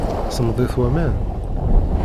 Semmeḍ-it waman?